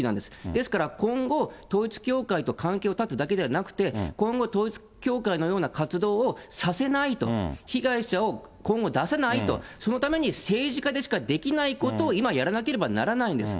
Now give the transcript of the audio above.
ですから今後、統一教会と関係を断つだけではなくて、今後、統一教会のような活動をさせないと、被害者を今後出さないと、そのために政治家でしかできないことを今やらなければならないんです。